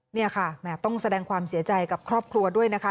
นี่ค่ะต้องแสดงความเสียใจกับครอบครัวด้วยนะคะ